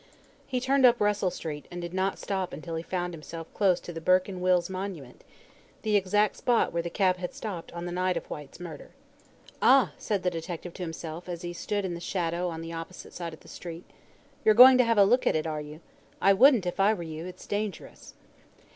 He turned up Russell Street and did not stop until he found himself close to the Burke and Wills' monument the exact spot where the cab had stopped on the night of Whyte's murder. "Ah!" said the detective to himself, as he stood in the shadow on the opposite side of the street. "You're going to have a look at it, are you? I wouldn't, if I were you it's dangerous."